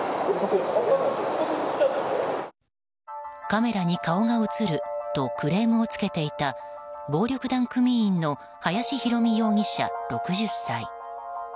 カメラに顔が映るとクレームをつけていた暴力団組員の林弘美容疑者６０歳。